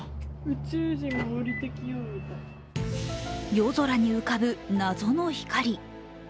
夜空に浮かぶ謎の光。